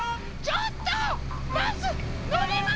ちょっと！